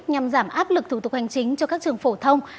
nhằm giảm áp lực thủ tục hành chính cho các trường phổ thông